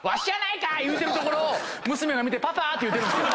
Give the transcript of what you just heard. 言うてるところを娘が見て「パパ！」って言うてるんですよ。